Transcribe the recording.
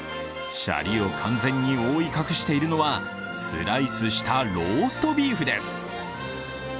シャリを完全に覆い隠しているのは、スライスしたローストビーフです。